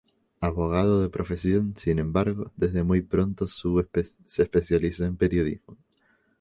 Abogado de profesión, sin embargo, desde muy pronto se especializó en periodismo.